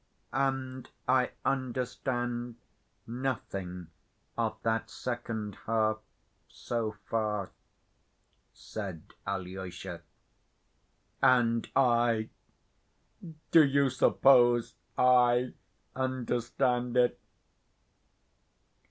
"And I understand nothing of that second half so far," said Alyosha. "And I? Do you suppose I understand it?"